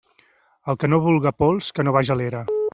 El que no vulga pols, que no vaja a l'era.